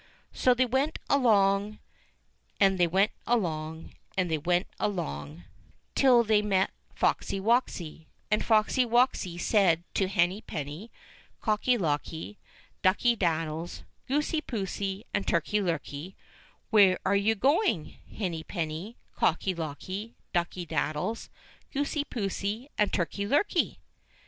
So they went along, and they went along, and they went 2i8 ENGLISH FAIRY TALES along, till they met Foxy woxy, and Foxy woxy said to Henny penny, Cocky locky, Ducky daddies, Goosey poosey, and Turkey lurkey : "Where are you going, Henny penny, Cocky locky, Ducky daddies, Goosey poosey, and Turkey lurkey?"